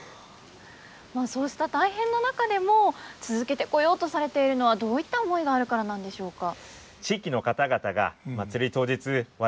そうした大変な中でも続けてこようとされているのはどういった思いがあるからなんでしょうか？